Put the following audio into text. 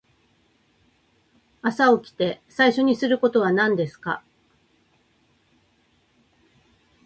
朝起きて最初にすることは何ですか。